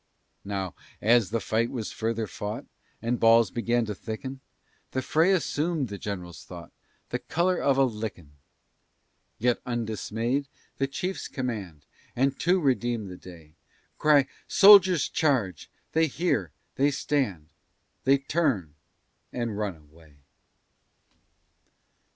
Now, as the fight was further fought, And balls began to thicken, The fray assum'd, the gen'rals thought, The color of a lickin'. Yet undismay'd the chiefs command, And to redeem the day, Cry, SOLDIERS, CHARGE! they hear, they stand, They turn and run away.